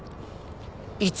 「いつ」